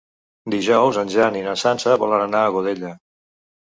Dijous en Jan i na Sança volen anar a Godella.